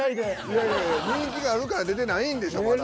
いやいや人気があるから出てないんでしょまだ。